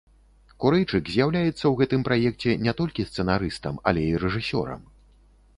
Курэйчык з'яўляецца ў гэтым праекце не толькі сцэнарыстам, але і рэжысёрам.